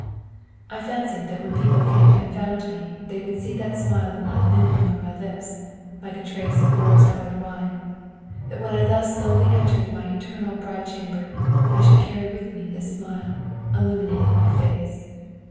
'I fancied that when people came and found me they would see that smile of mine lingering on my lips like a trace of rose coloured wine, that when I thus slowly entered my eternal bridal chamber I should carry with me this smile, illuminating my face.